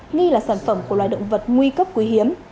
nghi là sản phẩm của loài động vật nguy cấp quý hiếm